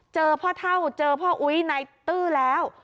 เจอพ่อเท่าเจอพ่ออุ๊ยนายตื้อแล้ว